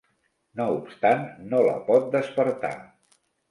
No obstant, no la pot despertar.